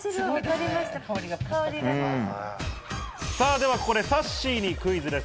ではここで、さっしーにクイズです。